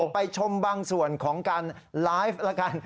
ไปชมบางส่วนของการไลฟ์แล้วกัน